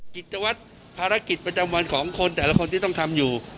กิจวัตรภารกิจประจำวันของคนแต่ละคนที่ต้องทำอยู่